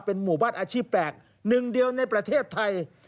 หมู่บ้านอาชีพแปลกหนึ่งเดียวในประเทศไทย